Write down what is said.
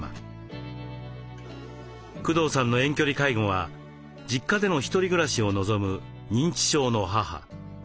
工藤さんの遠距離介護は実家での一人暮らしを望む認知症の母。